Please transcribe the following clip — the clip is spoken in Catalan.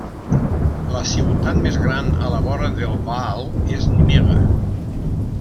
La ciutat més gran a la vora del Waal és Nimega.